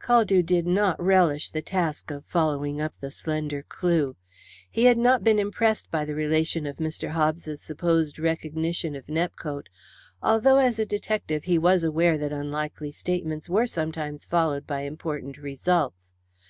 Caldew did not relish the task of following up the slender clue. He had not been impressed by the relation of Mr. Hobbs' supposed recognition of Nepcote, although as a detective he was aware that unlikely statements were sometimes followed by important results.